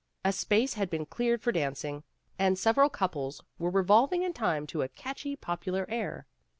A space had been cleared for dancing, and several couples were revolving in time to a catchy popular air.